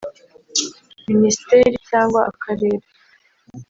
Minisiteri cyangwa Akarere